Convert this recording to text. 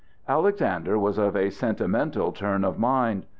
Alexander was of a sentimental turn of mind.